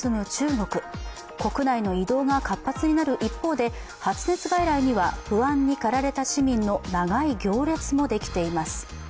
国内の移動が活発になる一方で、発熱外来には不安に駆られた市民の長い行列もできています。